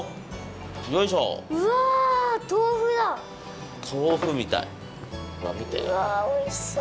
うわおいしそう！